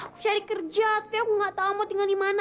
aku cari kerja tapi aku gak tau mau tinggal di mana